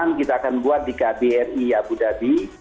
yang kita akan buat di kbri abu dhabi